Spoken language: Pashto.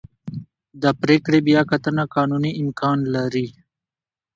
د پرېکړې بیاکتنه قانوني امکان لري.